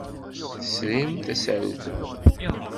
Tesrim tasarut-nni?